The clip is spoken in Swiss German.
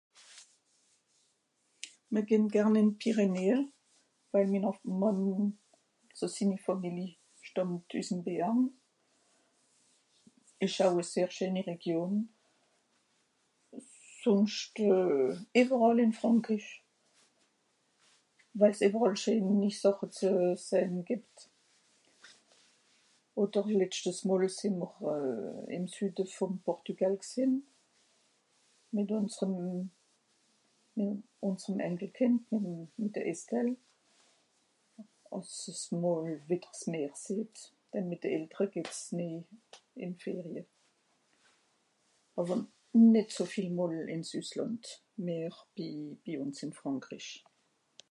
mr gehn gern in d Pyrénnées weil minner mànn àlso sinni Fàmeli stàmmt üssem Béarn esch aw a sehr scheeni region sonscht euh eweràll in Frànkrich weil's eweràll scheeni sàche zue sehn gìbt oder letschtes mol se m'r euh im süde vom Portugal g'sen mìt unserem mìt unserem Enkelkind un mit de Estelle ass es mol wetter 's Meer seht denn mìt de Eltere geht's nie in Ferie awer nìt so viel mol ins üssland mehr bi bi uns in Frànkrich